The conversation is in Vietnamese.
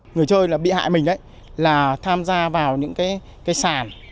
người chơi bị hại mình là tham gia vào những cái sàn